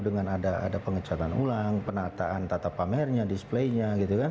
dengan ada pengecatan ulang penataan tata pamernya displaynya